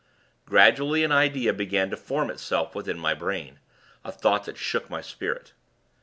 Gradually, an idea began to form itself within my brain; a thought that shook my spirit.